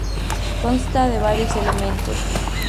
Consta de varios elementos.